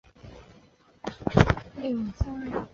她亦是一名宗教灵修导师。